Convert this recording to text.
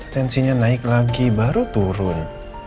tensinya naik lagi baru turun